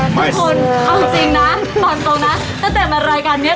ทุกคนเอาจริงนะตอนตรงนะตั้งแต่มารายการนี้